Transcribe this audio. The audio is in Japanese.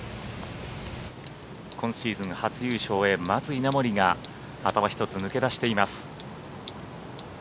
今シーズン初優勝へまず稲森が頭一つ抜け出しています。